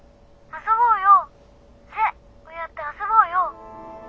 「遊ぼうよ。セをやって遊ぼうよ」。